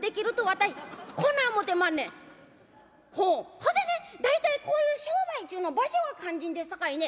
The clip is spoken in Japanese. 「ほんでね大体こういう商売っちゅうの場所が肝心ですさかいね